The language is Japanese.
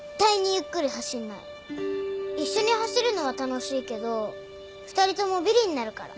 一緒に走るのは楽しいけど２人ともビリになるから。